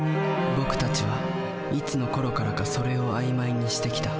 僕たちはいつのころからか「それ」を曖昧にしてきた。